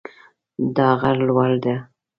دا غر لوړ ده